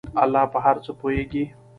الله په هر څه پوهیږي.